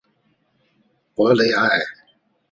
博雷埃。